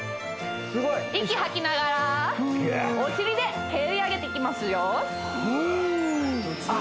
すごい息吐きながらお尻で蹴り上げていきますよフ